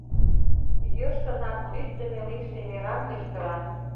— йӧршынак лӱддымӧ лийше мераҥ кычкыра.